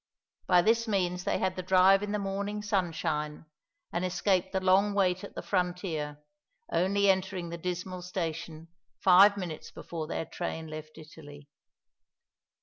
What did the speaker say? By this means they had the drive in the morning sunshine, and escaped the long wait at the frontier, only entering the dismal station five minutes before their train left Italy.